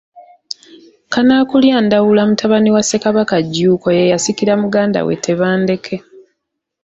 KANAAKULYA Ndawula mutabani wa Ssekabaka Jjuuko ye yasikira muganda we Tebandeke.